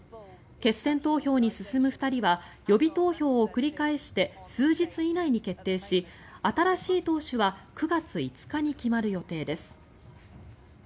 決選投票に進む２人は予備投票を繰り返して数日以内に決定し新しい党首は９月５日に決まる予定です。